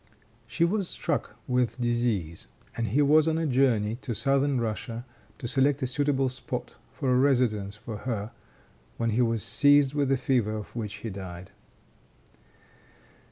She was struck with disease, and he was on a journey to Southern Russia to select a suitable spot for a residence for her, when he was seized with the fever of which he died.